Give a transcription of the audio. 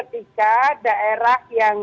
ketika daerah yang